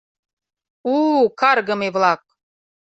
У-у, каргыме-влак.